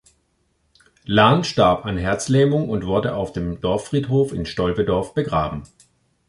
Lahn starb an Herzlähmung und wurde auf dem Dorffriedhof in Stolpe-Dorf begraben.